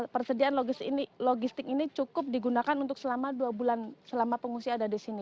persediaan logistik ini cukup digunakan untuk selama dua bulan selama pengungsi ada di sini